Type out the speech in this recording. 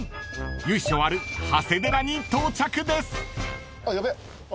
［由緒ある長谷寺に到着です］